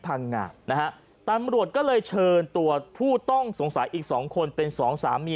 พังงานะฮะตำรวจก็เลยเชิญตัวผู้ต้องสงสัยอีกสองคนเป็นสองสามี